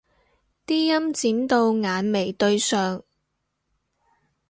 啲陰剪到眼眉對上